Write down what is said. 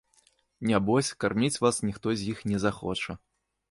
Нябось, карміць вас ніхто з іх не захоча.